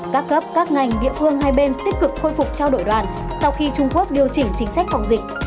các cấp các ngành địa phương hai bên tích cực khôi phục trao đổi đoàn sau khi trung quốc điều chỉnh chính sách phòng dịch